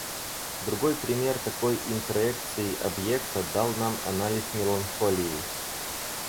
Другой пример такой интроекции объекта дал нам анализ меланхолии.